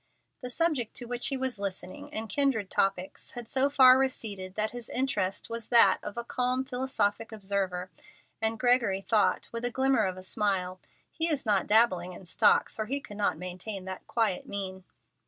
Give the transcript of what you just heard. The subject to which he was listening and kindred topics had so far receded that his interest was that of a calm, philosophic observer, and Gregory thought, with a glimmer of a smile, "He is not dabbling in stocks or he could not maintain that quiet mien."